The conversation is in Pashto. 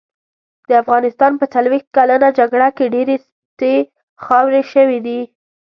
د افغانستان په څلوښت کلنه جګړه کې ډېرې سټې خاورې شوې دي.